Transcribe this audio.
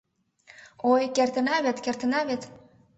Ой, кертна вет, кертна вет